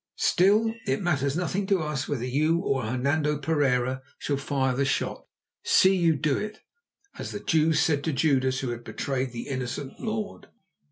Still, it matters nothing to us whether you or Hernando Pereira shall fire the shot. See you to it, as the Jews said to Judas who had betrayed the innocent Lord."